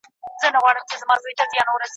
غوړه مالو یې عرضونه پټوله